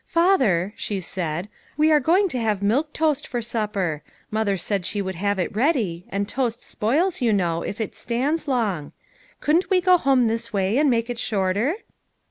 " Father," she said, " we are going to have milk toast for supper. Mother said she would have it ready, and toast spoils, you know, if it stands long. Couldn't we go home this way and make it shorter?"